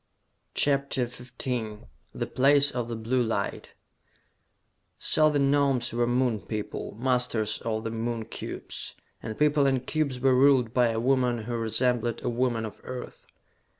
CHAPTER XV The Place of the Blue Light So the Gnomes were Moon people, masters of the Moon cubes! And people and cubes were ruled by a woman who resembled a woman of Earth!